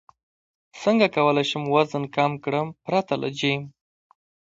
څنګه کولی شم وزن کم کړم پرته له جیم